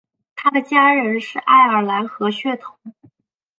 他的家人是爱尔兰和血统。